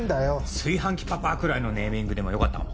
「炊飯器パパ」くらいのネーミングでもよかったかも。